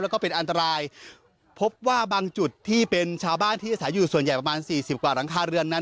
แล้วก็เป็นอันตรายพบว่าบางจุดที่เป็นชาวบ้านที่อาศัยอยู่ส่วนใหญ่ประมาณสี่สิบกว่าหลังคาเรือนนั้น